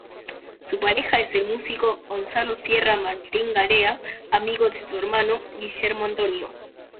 Su pareja es el músico Gonzalo Sierra Martín-Garea, amigo de su hermano Guillermo Antonio.